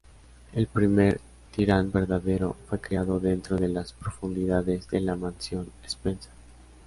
El primer Tyrant verdadero, fue creado dentro de las profundidades de la mansión Spencer.